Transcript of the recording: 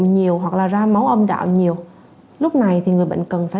nhiều hoặc là ra máu âm đạo nhiều lúc này thì người bệnh cần phải